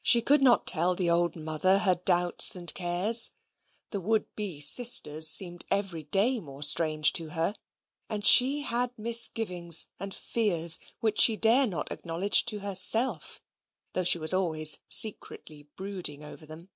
She could not tell the old mother her doubts and cares; the would be sisters seemed every day more strange to her. And she had misgivings and fears which she dared not acknowledge to herself, though she was always secretly brooding over them.